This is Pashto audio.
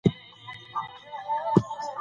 وادي د افغانانو د اړتیاوو د پوره کولو وسیله ده.